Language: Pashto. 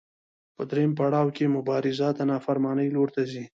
په درېیم پړاو کې مبارزه د نافرمانۍ لور ته ځي.